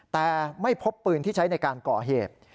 แต่ไม่พบปืนที่ใช้ในการก่อเหตุ